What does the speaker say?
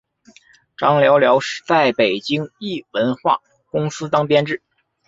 张寥寥在北京一文化公司当编剧。